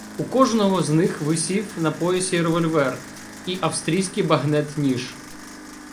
У кожного з них висів на поясі револьвер і австрійський багнет-ніж.